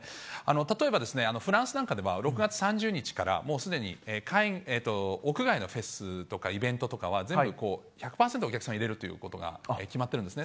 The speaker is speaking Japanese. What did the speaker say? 例えば、フランスなんかでは６月３０日からもうすでに屋外のフェスとかイベントとかは、全部１００％お客さんを入れるということが決まってるんですね。